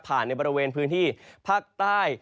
ในบริเวณพื้นที่ภาคใต้